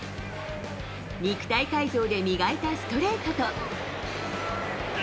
肉体改造で磨いたストレートと。